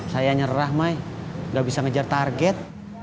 saya nyerah mai enggak bisa mengejar target